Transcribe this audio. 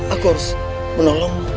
aku harus menolongmu